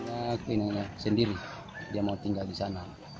aku ini sendiri dia mau tinggal di sana